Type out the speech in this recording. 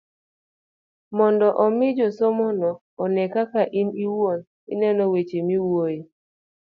mondo omi jasomono one kaka in iwuon ineno weche miwuoyoe.